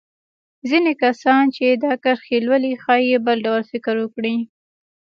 ځينې کسان چې دا کرښې لولي ښايي بل ډول فکر وکړي.